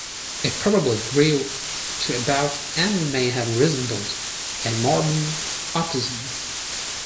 It probably grew to about and may have resembled a modern opossum.